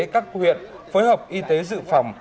các huyện phối hợp y tế dự phòng